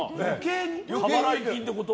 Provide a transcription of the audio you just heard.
過払い金ってこと？